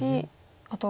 あと